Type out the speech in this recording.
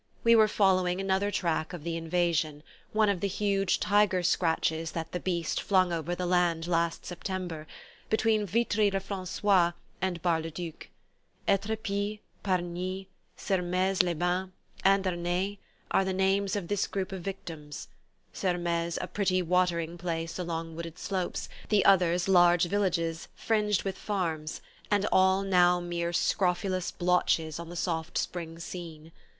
We were following another track of the invasion, one of the huge tiger scratches that the Beast flung over the land last September, between Vitry le Francois and Bar le Duc. Etrepy, Pargny, Sermaize les Bains, Andernay, are the names of this group of victims: Sermaize a pretty watering place along wooded slopes, the others large villages fringed with farms, and all now mere scrofulous blotches on the soft spring scene.